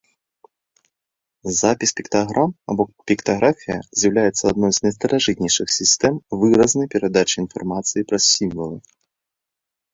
Запіс піктаграм або піктаграфія з'яўляецца адной з найстаражытнейшых сістэм выразнай перадачы інфармацыі праз сімвалы.